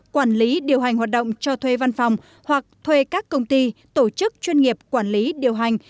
quản lý điều hành hoạt động cho thuê văn phòng hoặc thuê các công ty tổ chức chuyên nghiệp quản lý điều hành